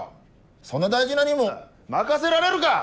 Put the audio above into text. そんな大事な任務任せられるか！